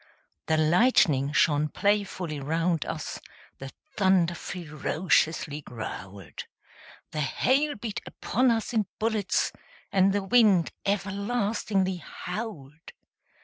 The lightning shone playfully round us; The thunder ferociously growled; The hail beat upon us in bullets; And the wind everlastingly howled.